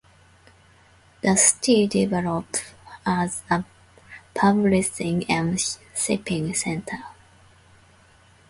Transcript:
The city developed as a publishing and shipping center.